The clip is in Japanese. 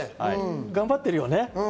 頑張ってるよね。